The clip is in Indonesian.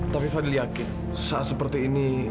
tapi fadli yakin saat seperti ini